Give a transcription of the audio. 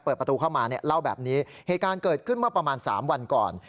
เปิดประตูเข้ามาเนี่ยเล่าแบบนี้เหตุการณ์เกิดขึ้นเมื่อประมาณ๓วันก่อน